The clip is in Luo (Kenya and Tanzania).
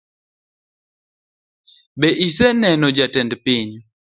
Be ise neno jatend piny?